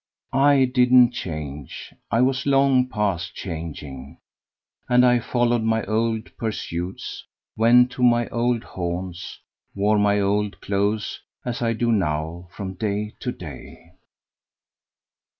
I didn't change. I was long past changing. And I followed my old pursuits; went to my old haunts; wore my old clothes, as I do now, from day to day.